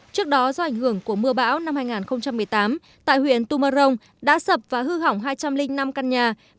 trước đó do ảnh hưởng của mưa bão năm hai nghìn một mươi tám tại huyện tumorong đã sập và hư hỏng hai trăm linh năm căn nhà